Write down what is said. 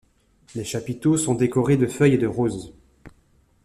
Les chapiteaux sont décorés de feuilles et de roses.